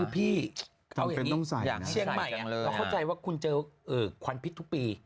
พี่เขาเห็นเชียงใหม่เราเข้าใจว่าคุณเจอควันพิษทุกปี